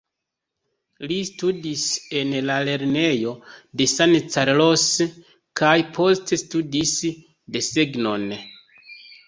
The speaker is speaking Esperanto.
Li studis en la lernejo de San Carlos kaj poste studis desegnon.